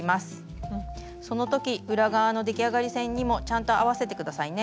その時裏側の出来上がり線にもちゃんと合わせて下さいね。